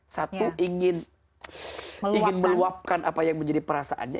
satu ingin meluapkan apa yang menjadi perasaannya